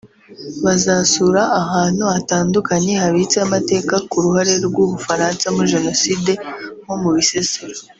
Bazasura ahantu hatandukanye habitse amateka ku ruhare rw’u Bufaransa muri jenoside nko mu Bisesero